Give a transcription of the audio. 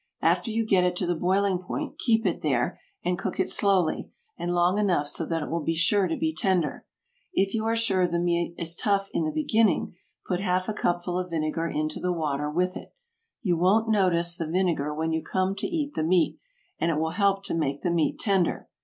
After you get it to the boiling point keep it there, and cook it slowly, and long enough so that it will be sure to be tender. If you are sure the meat is tough in the beginning, put half a cupful of vinegar into the water with it. You won't notice the vinegar when you come to eat the meat, and it will help to make the meat tender.